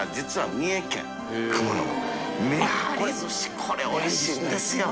これおいしいんですよ。